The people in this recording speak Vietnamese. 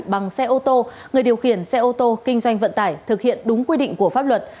bằng xe ô tô người điều khiển xe ô tô kinh doanh vận tải thực hiện đúng quy định của pháp luật